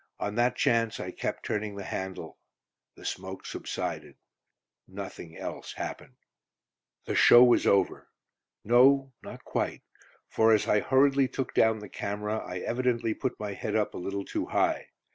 On that chance, I kept turning the handle. The smoke subsided; nothing else happened. The show was over. No, not quite; for as I hurriedly took down the camera, I evidently put my head up a little too high.